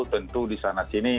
tentu di sana sini